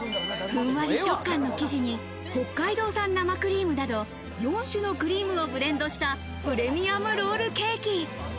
ふんわり食感の生地に北海道産生クリームなど４種のクリームをブレンドしたプレミアムロールケーキ。